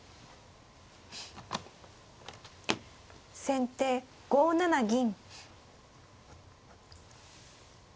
先手５七銀。